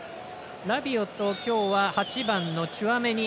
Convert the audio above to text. ラビオと今日は８番のチュアメニ。